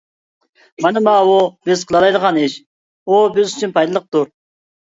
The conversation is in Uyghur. مانا ماۋۇ بىز قىلالايدىغان ئىش، ئۇ بىز ئۈچۈن پايدىلىقتۇر.